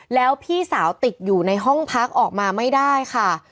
แล้วพี่สาวติดอยู่ในห้องพักออกมาไม่ได้ค่ะ